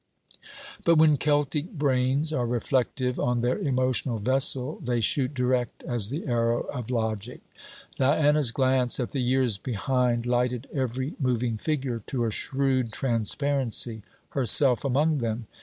But when Celtic brains are reflective on their emotional vessel they shoot direct as the arrow of logic. Diana's glance at the years behind lighted every moving figure to a shrewd transparency, herself among them.